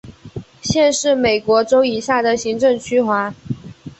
县是美国州以下的行政区划。